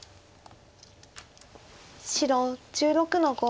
白１６の五。